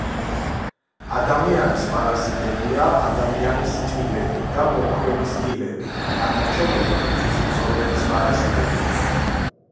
ადამიანის პარაზიტებია ადამიანის ტილები და ბოქვენის ტილები, დანარჩენები კი ძუძუმწოვრების პარაზიტებია.